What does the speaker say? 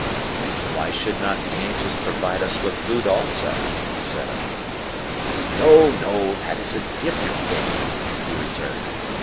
"Why should not the angels provide us with food also?" said I. "No, no, that is a different thing," he returned.